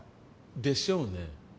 でしょうね。